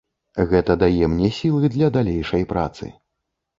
Гэта дае мне сілы для далейшай працы.